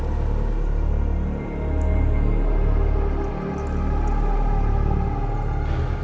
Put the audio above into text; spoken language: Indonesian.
ya udah kita sembunyiin aja lah